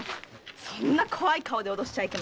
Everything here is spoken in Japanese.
そんな怖い顔で脅しちゃいけません。